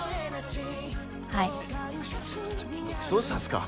はいどうしたんすか？